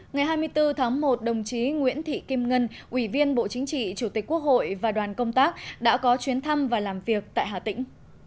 ngày hai mươi bốn tháng một đồng chí nguyễn thị kim ngân ủy viên bộ chính trị chủ tịch quốc hội và đoàn công tác đã có chuyến thăm và làm việc tại hà tĩnh